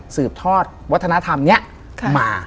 สืบทอดวัฒนธรรมนี้มา